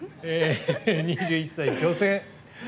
２１歳、女性。